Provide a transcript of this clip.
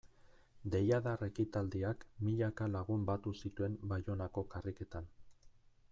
Deiadar ekitaldiak milaka lagun batu zituen Baionako karriketan.